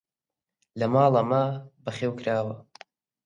لە ماڵە مە بەخێو کراوە!